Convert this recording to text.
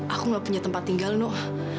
aku gak punya tempat tinggal noah